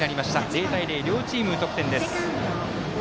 ０対０、両チーム、無得点。